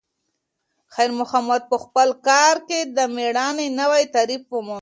خیر محمد په خپل کار کې د میړانې نوی تعریف وموند.